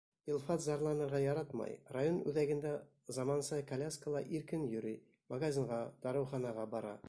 Илфат зарланырға яратмай, район үҙәгендә заманса коляскала иркен йөрөй, магазинға, дарыуханаға бара.